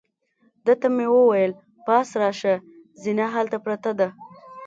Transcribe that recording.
ده ته مې وویل: پاس راشه، زینه هلته پرته ده.